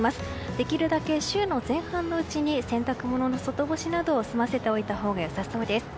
できるだけ、週の前半のうちに洗濯物の外干しなどを済ませておいたほうが良さそうです。